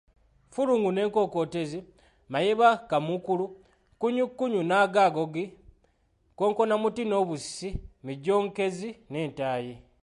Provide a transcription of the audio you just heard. "Ffulungu n’ekookootezi, Mayiba kamukuukulu, Kkunyukkunyu n’agagogi, Konkonamuti n’obusisi, Mijjonkezi n’entayi."